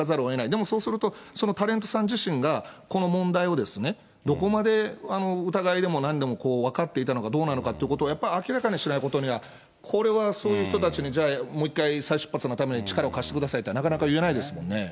でもそうすると、そのタレントさん自身が、この問題をどこまで疑いでもなんでも分かっていたのかどうなのかということをやっぱり明らかにしないことには、これはそういう人たちにじゃあもう一回、再出発のために力を貸してくださいって、なかなか言えないですもんね。